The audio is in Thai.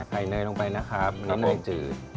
ยเนยลงไปนะครับน้ำมนจืด